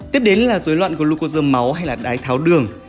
tiếp đến là dối loạn glocos máu hay là đái tháo đường